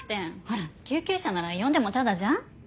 ほら救急車なら呼んでもタダじゃん？